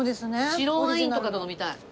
白ワインとかと飲みたい。